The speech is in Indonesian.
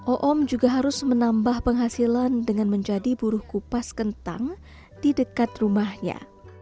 oom juga harus menambah penghasilan dengan menjadi buruh kupas kentang di dekat rumahnya